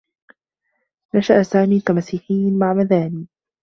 نشأ سامي كمسيحيّ معمداني.